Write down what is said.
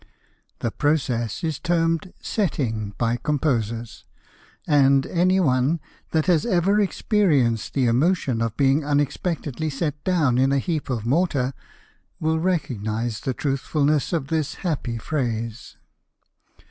The process is termed "setting" by Composers, and any one, that has ever experienced the emotion of being unexpectedly set down in a heap of mortar, will recognise the truthfulness of this happy phrase.